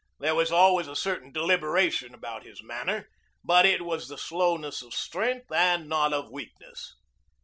There was always a certain deliberation about his manner, but it was the slowness of strength and not of weakness.